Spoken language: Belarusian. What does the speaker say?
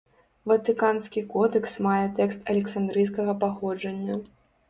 Ватыканскі кодэкс мае тэкст александрыйскага паходжання.